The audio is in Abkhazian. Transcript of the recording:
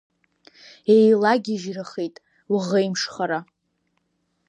Еилагьежьрахеит, уаӷеимшхара…